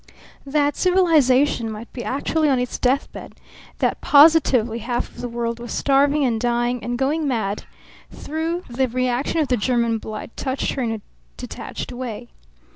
That civilization might be actually on its deathbed, that positively half of the world was starving and dying and going mad through the reaction of the German blight touched her in a detached way.